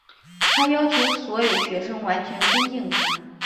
她要求所有学生完全尊敬她。